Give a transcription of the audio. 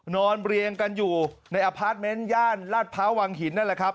เรียงกันอยู่ในอพาร์ทเมนต์ย่านลาดพร้าววังหินนั่นแหละครับ